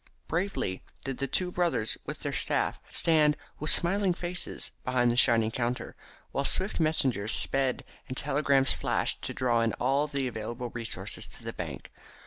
Bravely did the two brothers with their staff stand with smiling faces behind the shining counter, while swift messengers sped and telegrams flashed to draw in all the available resources of the bank.